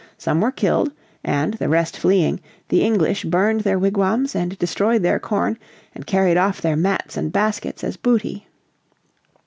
Some were killed, and, the rest fleeing, the English burned their wigwams and destroyed their corn, and carried off their mats and baskets as booty.